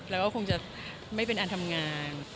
แล้วก็คงจะไม่เป็นอันทำงาน